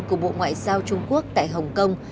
của bộ ngoại giao trung quốc tại hồng kông